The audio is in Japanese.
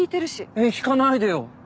えっ引かないでよ。